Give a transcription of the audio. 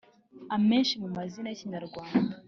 Amenshi mu mazina yi Kinyarwanda